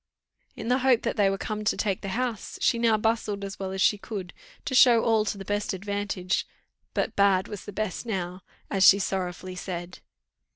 In the hope that they were come to take the house, she now bustled as well as she could, to show all to the best advantage, but bad was the best now, as she sorrowfully said.